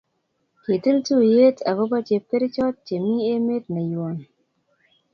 Kitil tuyet akobo chepkerichot chemi emet neywon